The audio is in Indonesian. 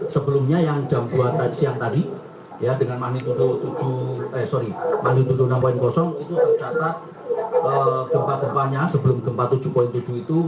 sebelumnya yang jam dua tadi siang tadi ya dengan magnitudo magnitudo enam itu tercatat gempa gempanya sebelum gempa tujuh tujuh itu